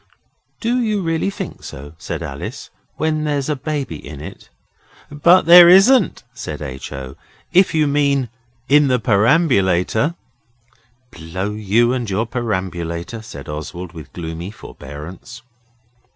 'Do you really think so,' said Alice, 'when there's a baby in it?' 'But there isn't,' said H. O., 'if you mean in the perambulator.' 'Blow you and your perambulator,' said Oswald, with gloomy forbearance.